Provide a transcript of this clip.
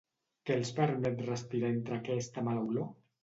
Què els permet respirar entre aquesta mala olor?